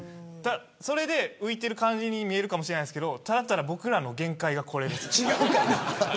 それで浮いている感じに見えるかもしれないですけどただただ僕らの限界がこれです。